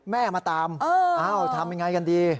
แม่มาตามทำยังไงกันดี